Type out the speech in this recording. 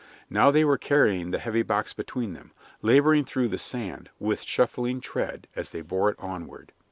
Now they were carrying the heavy box between them, laboring through the sand with shuffling tread as they bore it onward.